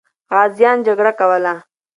غازیان جګړه کوله.